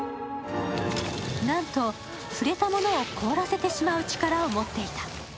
なんと触れたものを凍らせてしまう力を持っていた。